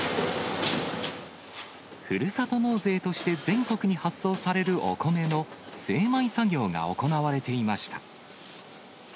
ふるさと納税として全国に発送されるお米の精米作業が行われていました。